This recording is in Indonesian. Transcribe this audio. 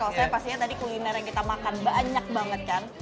kalau saya pastinya tadi kuliner yang kita makan banyak banget kan